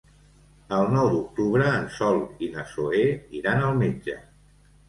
El nou d'octubre en Sol i na Zoè iran al metge.